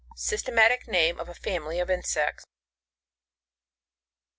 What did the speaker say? Systematic name of a family of insects.